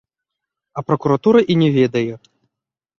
А пракуратура і не ведае!